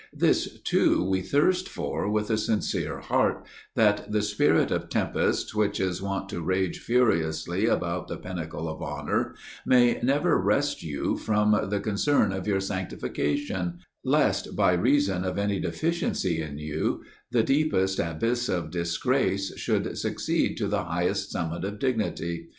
This, too, we thirst for with a sincere heart, that the spirit of tempests, which is wont to rage furiously about the pinnacle of honor, may never wrest you from the concern of your sanctification; lest, by reason of any deficiency in you, the deepest abyss of disgrace should succeed to the highest summit of dignity.